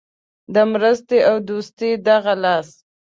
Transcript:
د مرستې او دوستۍ دغه لاس.